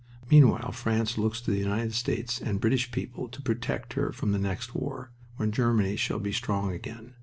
Meanwhile France looks to the United States and British people to protect her from the next war, when Germany shall be strong again.